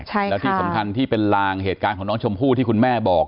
แล้วที่สำคัญที่เป็นลางเหตุการณ์ของน้องชมพู่ที่คุณแม่บอก